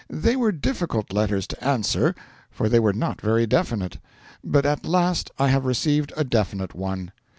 They were difficult letters to answer, for they were not very definite. But at last I have received a definite one.